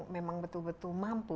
memang betul betul mampu